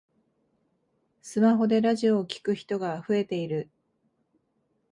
スマホでラジオを聞く人が増えている